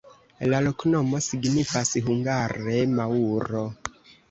La loknomo signifas hungare: maŭro.